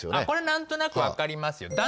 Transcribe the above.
これ何となく分かりますよ。